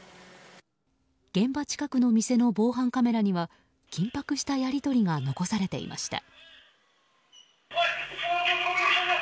現場近くの店の防犯カメラには緊迫したやり取りが残されていました。